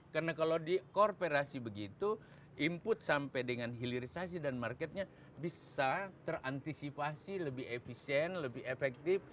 karena kalau di korporasi begitu input sampai dengan hilirisasi dan marketnya bisa terantisipasi lebih efisien lebih efektif